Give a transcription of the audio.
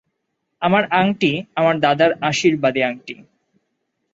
আমার আংটি– আমার দাদার আশীর্বাদী আংটি।